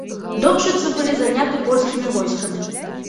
Докшыцы былі заняты польскімі войскамі.